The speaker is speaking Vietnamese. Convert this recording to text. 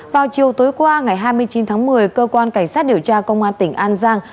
vào chiều tối qua ngày hai mươi chín tháng một mươi cơ quan cảnh sát điều tra công an tỉnh an giang